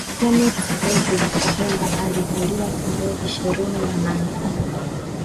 Kenneth David Kaunda alizaliwa tarehe ishirini na nane